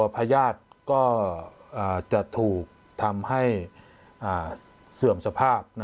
พญาติก็จะถูกทำให้เสื่อมสภาพ